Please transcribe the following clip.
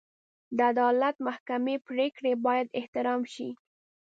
د عدالت محکمې پرېکړې باید احترام شي.